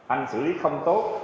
anh xử lý không tốt